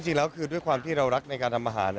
จริงแล้วคือด้วยความที่เรารักในการทำอาหาร